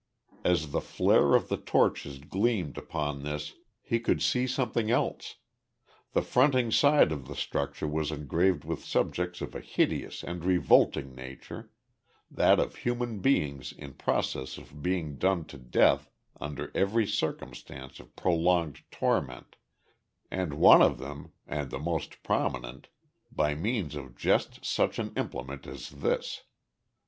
As the flare of the torches gleamed upon this he could see something else. The fronting side of the structure was engraved with subjects of a hideous and revolting nature that of human beings in process of being done to death under every circumstance of prolonged torment, and one of them, and the most prominent, by means of just such an implement as this.